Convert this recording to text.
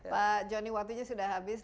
pak joni waktunya sudah habis